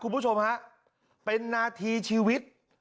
เป็นนาทีชีวิต